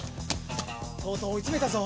とうとうおいつめたぞ！